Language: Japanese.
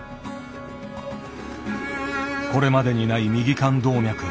これまでにない右肝動脈。